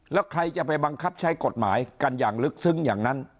แล้วใครจะไปบังคับใช้กฎหมายกันอย่างลึกซึ้งอย่างนั้น